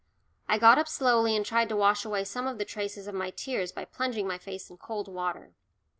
I got up slowly and tried to wash away some of the traces of my tears by plunging my face in cold water.